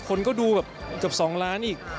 คนก็ดูแบบเกือบ๒ล้านอีก